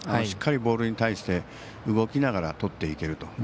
しっかりボールに対して動きながらとっていけると。